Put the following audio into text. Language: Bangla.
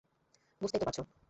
বুঝতেই তো পারছ।